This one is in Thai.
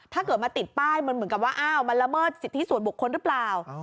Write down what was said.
ถ้าเกิดมาติดป้ายมันเหมือนกับว่าอ้าวมันละเมิดสิทธิส่วนบุคคลหรือเปล่า